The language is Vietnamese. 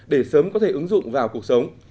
để sớm có thể ứng dụng vào cuộc sống